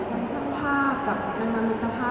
ที่มีความรู้สึกกว่าที่มีความรู้สึกกว่า